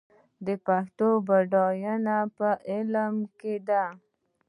د پښتو بډاینه په علم کې ده.